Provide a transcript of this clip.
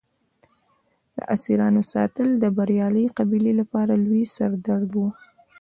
د اسیرانو ساتل د بریالۍ قبیلې لپاره لوی سر درد و.